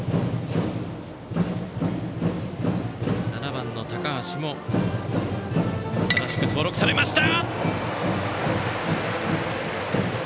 ７番の高橋も新しく登録されました。